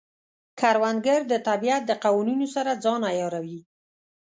کروندګر د طبیعت د قوانینو سره ځان عیاروي